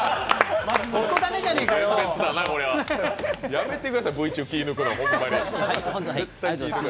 やめてください、Ｖ中、気ぃ抜くの。